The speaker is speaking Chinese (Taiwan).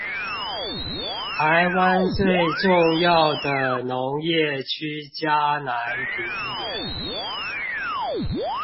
台灣最重要的農業區嘉南平原